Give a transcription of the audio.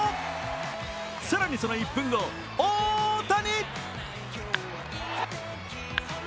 更にその１分後、大谷。